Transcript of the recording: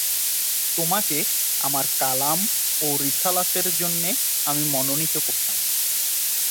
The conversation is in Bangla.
তোমাকে আমার কালাম ও রিসালাতের জন্যে আমি মনোনীত করলাম।